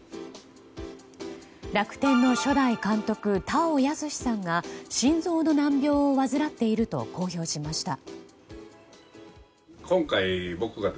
楽天の初代監督田尾安志さんが心臓の難病を患っていると公表しました。